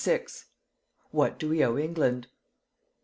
WHAT DO WE OWE ENGLAND?